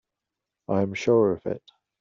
I am sure of it.